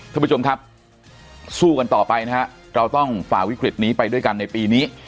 ท่านผู้ชมครับสู้กันต่อไปนะฮะเราต้องฝ่าวิกฤตนี้ไปด้วยกันในปีนี้